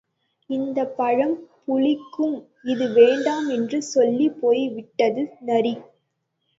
இந்தப் பழம் புளிக்கும் இது வேண்டாம் என்று சொல்லிப் போய்விட்டது நரி.